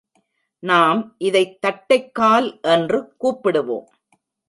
நாம் இதைத் தட்டைக் கால் என்று கூப்பிடுவோம்.